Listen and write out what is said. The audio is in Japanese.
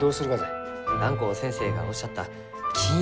蘭光先生がおっしゃった金色の道を。